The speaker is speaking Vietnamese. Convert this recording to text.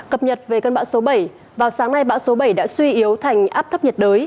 cập nhật về cơn bão số bảy vào sáng nay bão số bảy đã suy yếu thành áp thấp nhiệt đới